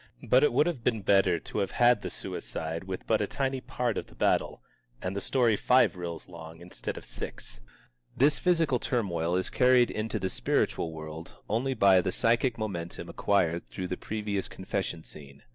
But it would have been better to have had the suicide with but a tiny part of the battle, and the story five reels long instead of six. This physical turmoil is carried into the spiritual world only by the psychic momentum acquired through the previous confession scene.